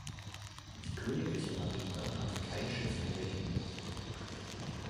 Die königliche Marine hatte kein Schiff in der Gegend.